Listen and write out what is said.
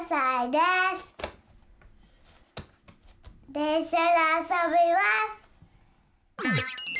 でんしゃであそびます！